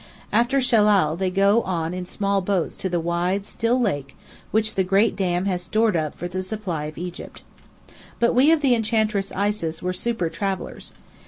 After Shellal they go on in small boats to the wide, still lake which the Great Dam has stored up for the supply of Egypt. But we of the Enchantress Isis were super travellers.